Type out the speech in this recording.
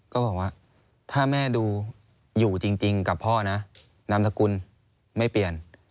ก็บอกว่าถ้าแม่ดูอยู่จริงกับพ่อนะนามสกุลไม่เปลี่ยน